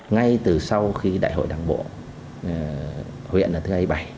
ngay từ sau khi đại hội đảng bộ huyện là thứ hai mươi bảy